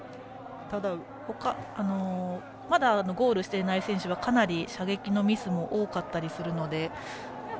まだゴールしてない選手はかなり射撃のミスも多かったりするので。